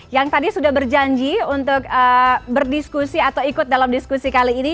yang tadi sudah berjanji untuk berdiskusi atau ikut dalam diskusi kali ini